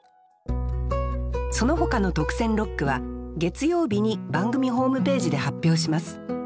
そのほかの特選六句は月曜日に番組ホームページで発表します。